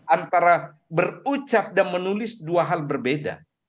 antara berucap dan menulis dua hal berbeda